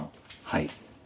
はい。